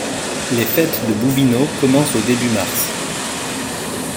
Les fêtes de bouvino commencent au début mars.